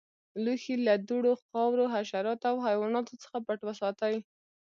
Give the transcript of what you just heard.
لوښي له دوړو، خاورو، حشراتو او حیواناتو څخه پټ وساتئ.